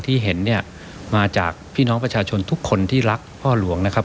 ที่เห็นเนี่ยมาจากพี่น้องประชาชนทุกคนที่รักพ่อหลวงนะครับ